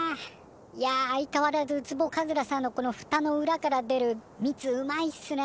いや相変わらずウツボカズラさんのこのふたの裏から出るみつうまいっすね。